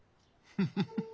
フフフフ。